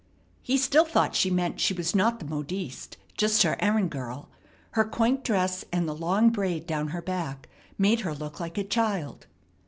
He still thought she meant she was not the modiste, just her errand girl. Her quaint dress and the long braid down her back made her look like a child.